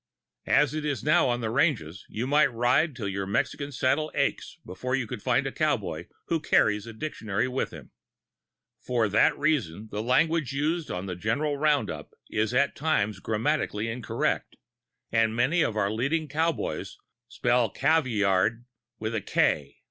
As it is now on the ranges you might ride till your Mexican saddle ached before you would find a cowboy who carries a dictionary with him. For that[Pg 21] reason the language used on the general roundup is at times grammatically incorrect, and many of our leading cowboys spell "cavvy yard" with a "k."